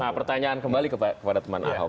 nah pertanyaan kembali kepada teman ahok